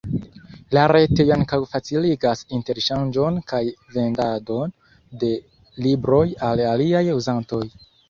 La retejo ankaŭ faciligas interŝanĝon kaj vendadon de libroj al aliaj uzantoj.